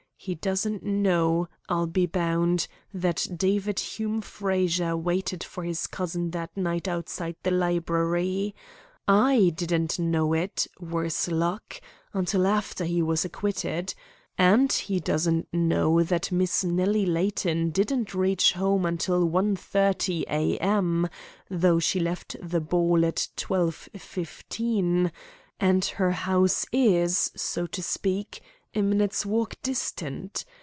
He doesn't know, I'll be bound, that David Hume Frazer waited for his cousin that night outside the library. I didn't know it worse luck! until after he was acquitted. And he doesn't know that Miss Nellie Layton didn't reach home until 1.30 a.m., though she left the ball at 12.15, and her house is, so to speak, a minute's walk distant.